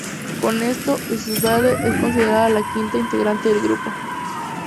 Con esto, Tsubame es considerada la quinta integrante del grupo.